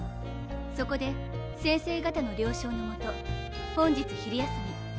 そこで先生方の了承のもと本日昼休み